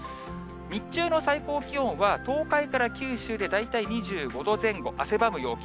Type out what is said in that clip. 日中の最高気温は、東海から九州で大体２５度前後、汗ばむ陽気。